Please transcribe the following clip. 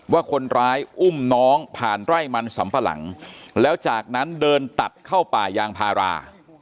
ว่าคนร้ายอุ้มน้องผ่านไร่มันสำปะหลังแล้วจากนั้นเดินตัดเข้าป่ายางพารา